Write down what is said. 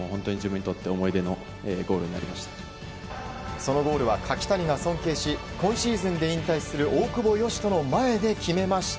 そのゴールは柿谷が尊敬し今シーズンで引退する大久保嘉人の前で決めました。